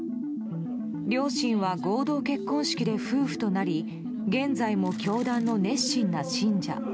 両親は合同結婚式で夫婦となり現在も教団の熱心な信者。